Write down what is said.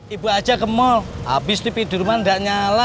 ibu aja ke mall abis nih pidurman gak nyala